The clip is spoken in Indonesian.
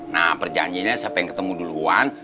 nah perjanjiannya siapa yang ketemu duluan